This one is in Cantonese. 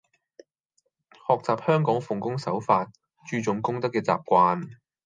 學習香港奉公守法、注重公德嘅習慣